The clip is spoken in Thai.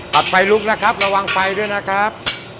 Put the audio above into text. ตัดไฟลุกนะครับระวังไฟด้วยนะครับ